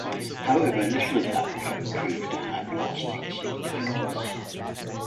However, little of that work proved to have lasting significance.